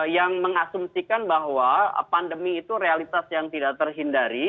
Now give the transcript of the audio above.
yang mengasumsikan bahwa pandemi itu realitas yang tidak terhindari